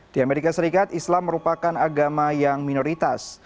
di amerika serikat islam merupakan agama yang minoritas